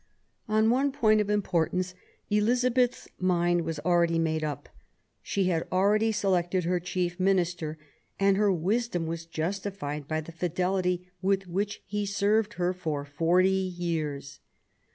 On one point of importance Elizabeth's mind was already made up. She had already selected her chief minister, and her wisdom was justified by the fidelity with which he served her for forty years.